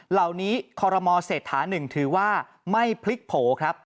เหล่านี้คอลโลมอเศษฐา๑ถือว่าไม่พลิกโผ